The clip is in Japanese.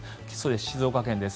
静岡県です。